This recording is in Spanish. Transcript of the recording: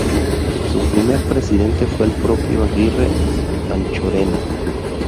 Su primer presidente fue el propio Aguirre Anchorena.